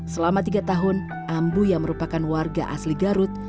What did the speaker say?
selama tiga tahun ambu yang merupakan warga asli garut